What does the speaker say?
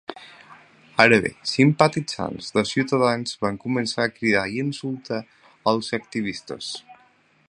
Ara bé, simpatitzants de ciutadans van començar a cridar i a insultar els activistes.